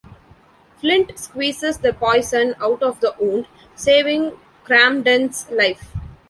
Flint squeezes the poison out of the wound, saving Cramden's life.